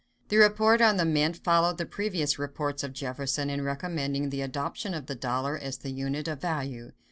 The report on the mint followed the previous reports of Jefferson in recommending the adoption of the dollar as the unit of value.